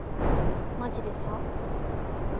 まじでさ